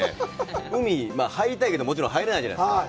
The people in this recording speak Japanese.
海、入りたいけど、もちろん入れないじゃないですか。